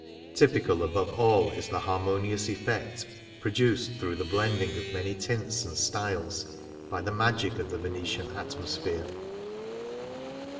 Typical, above all, is the har monious effect produced through the blending of many tints and styles by the magic of the Venetian atmosphere.